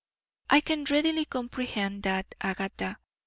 "I can readily comprehend that, Agatha.